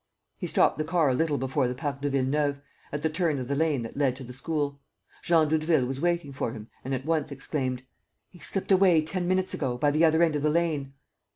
He stopped the car a little before the Parc de Villeneuve, at the turn of the lane that led to the school. Jean Doudeville was waiting for him and at once exclaimed: "He slipped away, ten minutes ago, by the other end of the lane."